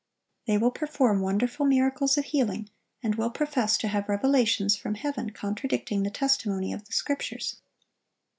They will perform wonderful miracles of healing, and will profess to have revelations from heaven contradicting the testimony of the Scriptures.